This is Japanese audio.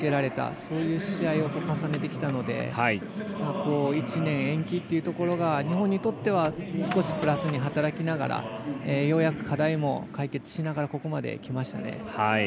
そういう試合を重ねてきたので１年延期というところが日本にとっては少しプラスに働きながらようやく課題も解決しながらここまできましたね。